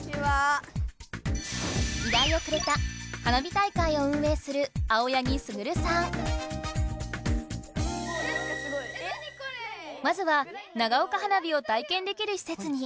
依頼をくれた花火大会を運営するまずは長岡花火を体験できるしせつに。